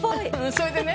それでね